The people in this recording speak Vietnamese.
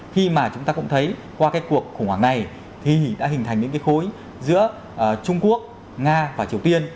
khi mà chúng ta cũng thấy qua cái cuộc khủng hoảng này thì đã hình thành những cái khối giữa trung quốc nga và triều tiên